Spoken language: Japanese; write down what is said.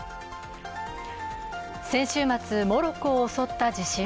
先週末、モロッコを襲った地震。